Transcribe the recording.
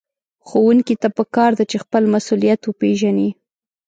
ښوونکي ته پکار ده چې خپل مسؤليت وپېژني.